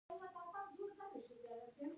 ایا زه وچه ډوډۍ وخورم؟